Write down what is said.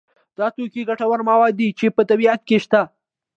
دا توکي ګټور مواد دي چې په طبیعت کې شته.